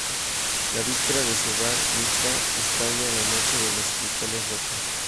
La víspera de su "Bar Mitzvá" estalla la Noche de los cristales rotos.